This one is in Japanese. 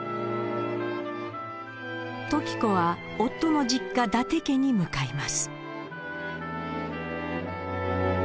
時子は夫の実家伊達家に向かいます。